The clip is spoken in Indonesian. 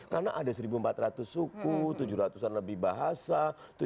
karena ada seribu empat ratus suku tujuh ratus an lebih bahasa